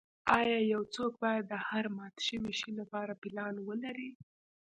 ایا یو څوک باید د هر مات شوي شی لپاره پلان ولري